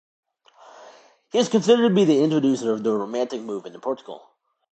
He is considered to be the introducer of the Romantic movement in Portugal.